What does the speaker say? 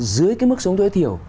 dưới cái mức sống tối thiểu